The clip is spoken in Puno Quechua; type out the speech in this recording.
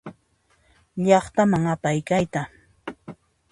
Llaqtaman apay kayta.